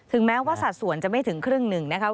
แม้ว่าสัดส่วนจะไม่ถึงครึ่งหนึ่งนะคะ